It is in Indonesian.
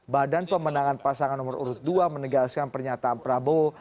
badan pemenangan pasangan nomor urut dua menegaskan pernyataan prabowo